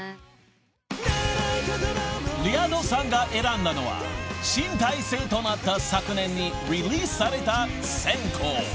［リアドさんが選んだのは新体制となった昨年にリリースされた］